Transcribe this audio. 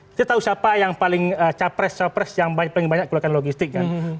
kita tahu siapa yang paling capres capres yang paling banyak keluarkan logistik kan